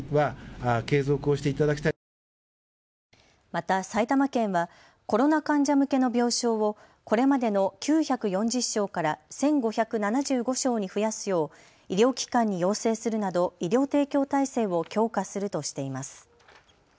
また埼玉県はコロナ患者向けの病床をこれまでの９４０床から１５７５床に増やすよう医療機関に要請するなど医療提供体制を強化するとしています。